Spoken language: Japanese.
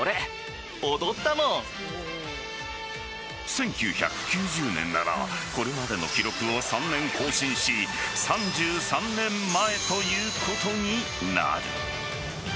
１９９０年ならこれまでの記録を３年更新し３３年前ということになる。